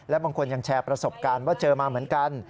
และบางคนยังแชร์ประสบการณ์ว่าเจอมาเหมือนกัน